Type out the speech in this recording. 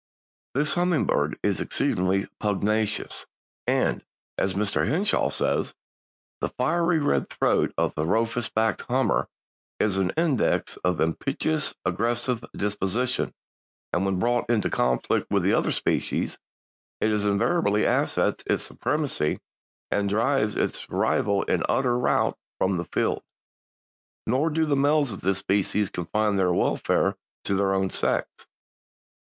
This Hummingbird is exceedingly pugnacious and, as Mr. Henshaw says, "The fiery red throat of the Rufous backed Hummer is an index of impetuous, aggressive disposition, and when brought into conflict with the other species it invariably asserts its supremacy and drives its rival in utter rout from the field. Nor do the males of this species confine their warfare to their own sex.